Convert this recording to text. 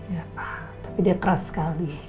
ya tapi dia keras sekali